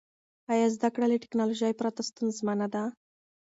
آیا زده کړه له ټیکنالوژۍ پرته ستونزمنه ده؟